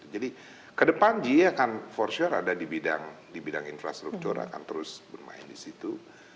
jadi ke depan ge akan for sure ada di bidang infrastructure akan terus bermain di situ